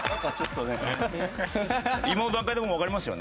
今の段階でもうわかりますよね？